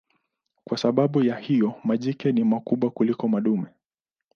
Kwa sababu ya hiyo majike ni wakubwa kuliko madume.